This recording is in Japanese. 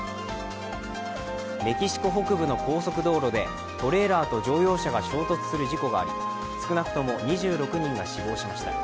メキシコ北部の高速道路でトレーラーと乗用車が衝突する事故があり少なくとも２６人が死亡しました。